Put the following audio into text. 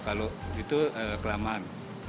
kalau itu kelamaan